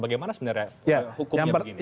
bagaimana sebenarnya hukumnya begini